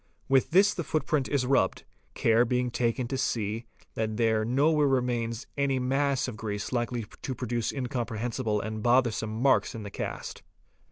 With this the footprint is rubbed, care being taken to see that there nowhere remains any.mass of grease likely to produce incomprehensible and bothersome marks in the cast.